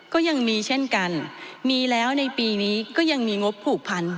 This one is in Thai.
ก็ยังมีเช่นกันมีแล้วในปีนี้ก็ยังมีงบผูกพัน